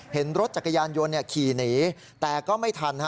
เห็นรถจักรยานยนต์ขี่หนีแต่ก็ไม่ทัน